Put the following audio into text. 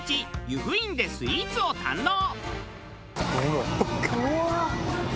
由布院でスイーツを堪能。